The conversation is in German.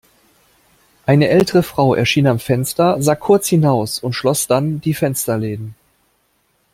Eine ältere Frau erschien am Fenster, sah kurz hinaus und schloss dann die Fensterläden.